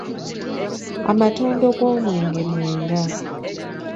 Amatondo g’omwenge mwenda.